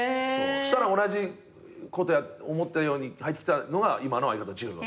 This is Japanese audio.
そしたら同じこと思ったように入ってきたのが今の相方じろう。